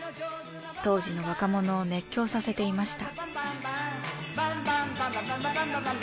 当時の若者を熱狂させていました。